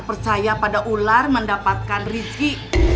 percaya pada ular mendapatkan rizki